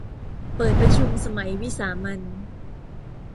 เปิดประชุมสมัยวิสามัญ